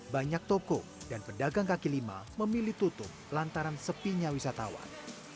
banyak toko dan pedagang kaki lima memilih tutup lantaran sepinya wisatawan